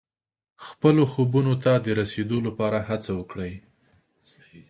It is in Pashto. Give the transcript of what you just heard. خپلو خوبونو ته د رسیدو لپاره هڅه وکړئ.